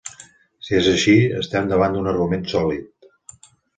Si és així, estem davant un argument sòlid.